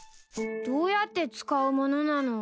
どうやって使うものなの？